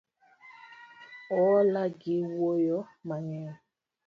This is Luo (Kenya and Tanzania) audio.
Oola gi wuoyo mang'eny